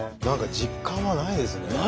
何か実感はないですね。